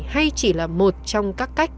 hay chỉ là một trong các cách